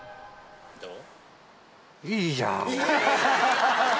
・どう？